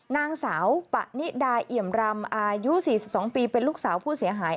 นางสาวปะนิดาเอี่ยมรำอายุ๔๒ปีเป็นลูกสาวผู้เสียหาย